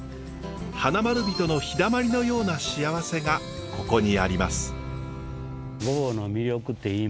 花まる人の日だまりのような幸せがここにあります。